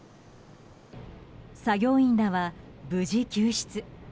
作業員らは無事救出。